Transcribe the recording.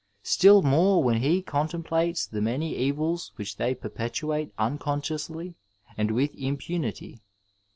Still more when he contem plates the many evils which they perpetuate unconsciously, and with impunity.